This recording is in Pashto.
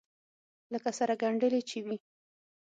لکه سره گنډلې چې وي.